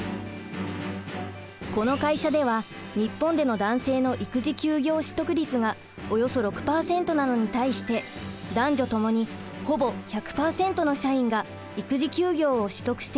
この会社では日本での男性の育児休業取得率がおよそ６％なのに対して男女ともにほぼ１００％の社員が育児休業を取得しています。